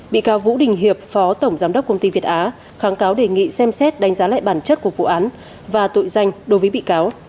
bị cáo vũ đình hiệp phó tổng giám đốc công ty việt á kháng cáo đề nghị xem xét đánh giá lại bản chất của vụ án và tội danh đối với bị cáo